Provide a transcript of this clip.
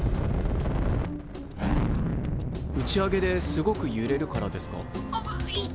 打ち上げですごくゆれるからですか？